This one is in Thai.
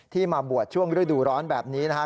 ที่มาบวชช่วงฤดูร้อนแบบนี้นะฮะ